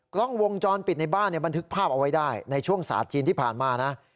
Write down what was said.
กล้องวงจรปิดในบ้านบันทึกภาพเอาไว้ได้ในช่วงศาสตร์จีนที่ผ่านมานะ